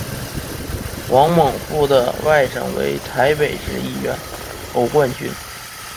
黄孟复的外甥为台北市议员侯冠群。